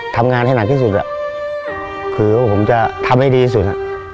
ทำงานให้หนักที่สุดคือว่าผมจะทำให้ดีที่สุด